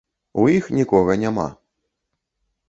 У іх нікога няма.